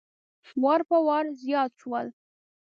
وار په وار زیات شول.